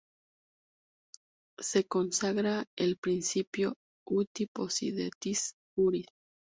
Se consagra el principio "Uti Possidetis Juris".